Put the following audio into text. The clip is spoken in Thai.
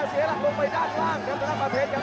เสียหลักลงไปด้านล่างครับตอนนั้นมาเผ็ดครับ